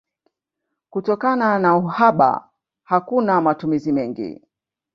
Kutokana na uhaba hakuna matumizi mengi.